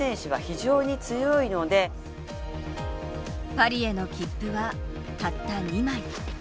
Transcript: パリへの切符はたった２枚。